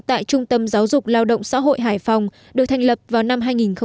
tại trung tâm giáo dục lao động xã hội hải phòng được thành lập vào năm hai nghìn một mươi